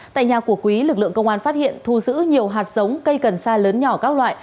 tại nhà của quý lực lượng công an phát hiện thu giữ nhiều hạt sống cây cần sa lớn nhỏ các loại